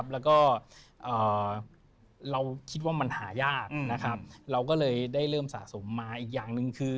แล้วก็เราคิดว่ามันหายากเราก็เลยได้เริ่มสะสมมาอีกอย่างหนึ่งคือ